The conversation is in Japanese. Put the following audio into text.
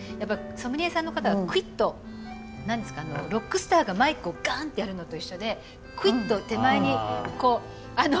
ソムリエさんの方がクイッと何ですかロックスターがマイクをガンッとやるのと一緒でクイッと手前にこうあの。